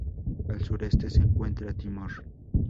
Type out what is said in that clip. Al sureste se encuentra Timor.